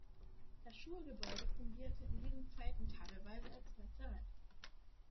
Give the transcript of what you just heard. Das Schulgebäude fungierte in diesen Zeiten teilweise als Lazarett.